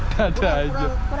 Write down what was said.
tidak ada aja